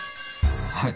はい。